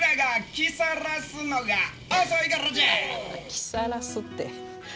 「来さらす」って。